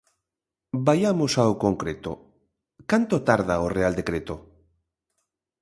Vaiamos ao concreto: ¿canto tarda o Real decreto?